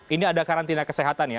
ini ada karantina kesehatan ya